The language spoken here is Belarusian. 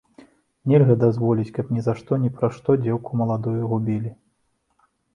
Нельга дазволіць, каб ні за што ні пра што дзеўку маладую губілі.